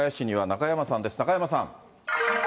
中山さん。